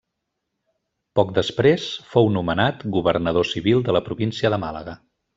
Poc després fou nomenat governador civil de la província de Màlaga.